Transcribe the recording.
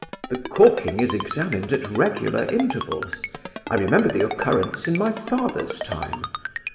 "The corking is examined at regular intervals. I remember the occurrence in my father's time.